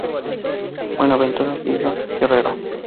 Buenaventura Vivas Guerrero.